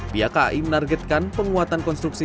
pihak kai menargetkan penguatan konstruksi